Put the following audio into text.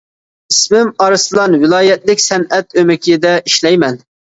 -ئىسمىم ئارسلان، ۋىلايەتلىك سەنئەت ئۆمىكىدە ئىشلەيمەن.